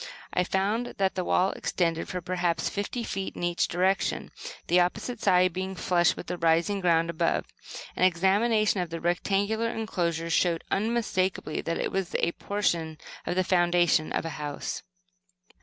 I found that the wall extended for perhaps fifty feet in each direction, the opposite side being flush with the rising ground above. An examination of the rectangular enclosure showed unmistakably that it was a portion of the foundation of a house.